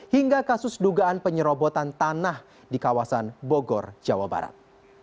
hingga kasus dugaan penyerobotan tanah di kawasan bogor jawa barat